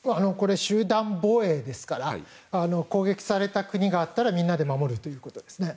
集団防衛ですから攻撃された国があったらみんなで守るということですね。